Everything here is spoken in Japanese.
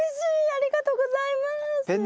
ありがとうございます。